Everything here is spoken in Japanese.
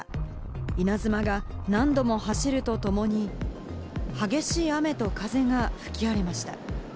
稲妻が何度も走るとともに、激しい雨と風が吹き荒れました。